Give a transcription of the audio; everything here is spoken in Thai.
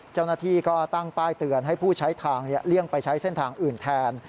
เจ้าหน้าที่ก็ตั้งป้ายเตือนให้ผู้ใช้ทางเลี่ยงไปใช้เส้นทางอื่นแทน